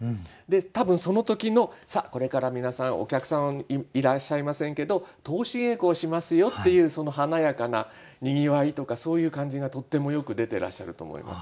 多分その時の「さあこれから皆さんお客さんいらっしゃいませんけど通し稽古をしますよ」っていうその華やかなにぎわいとかそういう感じがとってもよく出てらっしゃると思います。